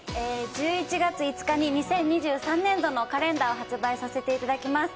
１１月５日に２０２３年度のカレンダーを発売させていただきます。